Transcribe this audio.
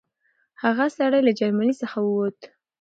هغه سړی له جرمني څخه ووت.